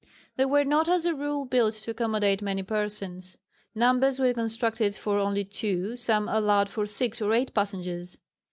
They were not as a rule built to accommodate many persons. Numbers were constructed for only two, some allowed for six or eight passengers.